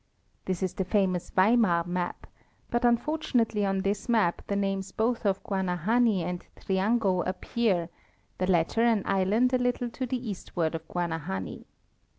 This is the famous Weimar map, but unfortunately on this map the names both of Guana hani and Triango appear, the latter an islet a little to the east ward of Guanahani.